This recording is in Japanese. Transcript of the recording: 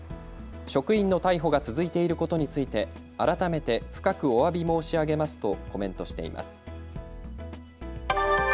職員の逮捕が続いていることについて改めて深くおわび申し上げますとコメントしています。